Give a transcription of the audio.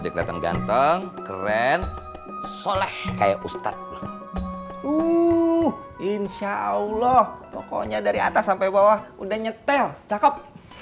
keren soleh kayak ustadz uh insyaallah pokoknya dari atas sampai bawah udah nyetel cakep